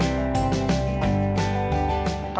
bagaimana dengan es krim